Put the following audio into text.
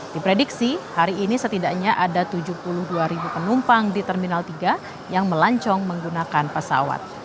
diprediksi hari ini setidaknya ada tujuh puluh dua penumpang di terminal tiga yang melancong menggunakan pesawat